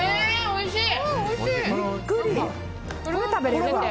おいしい！